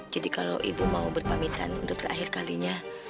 kalau ibu mau berpamitan untuk terakhir kalinya